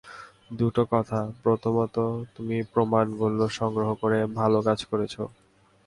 দুটো কথা, প্রথমত, তুমি প্রমাণগুলো সংগ্রহ করে ভালো কাজ করেছো।